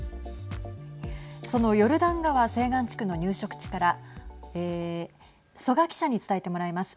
そのヨルダン川西岸地区の入植地から曽我記者に伝えてもらいます。